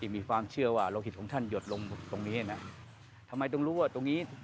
มีความเชื่อว่าโลหิตของท่านหยดลงตรงนี้นะทำไมต้องรู้ว่าตรงนี้